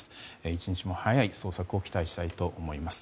一日も早い捜索を期待したいと思います。